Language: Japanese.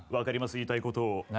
言いたいことを。